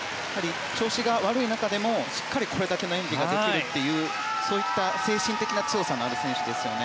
調子が悪い中でもしっかりこれだけの演技ができるというそういった精神的な強さのある選手ですよね。